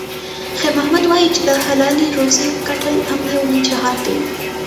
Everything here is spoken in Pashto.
خیر محمد وایي چې د حلالې روزۍ ګټل هم یو لوی جهاد دی.